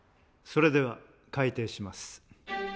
それでは開廷します。